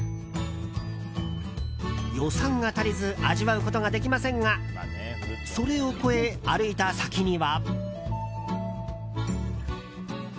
予算が足りず味わうことができませんがそれを越え、歩いた先には。